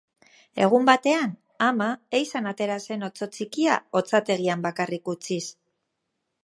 Egun batean ama ehizan atera zen otso txikia otsategian bakarrik utziz.